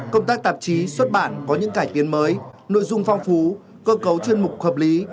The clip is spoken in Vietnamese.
công tác tạp chí xuất bản có những cải tiến mới nội dung phong phú cơ cấu chuyên mục hợp lý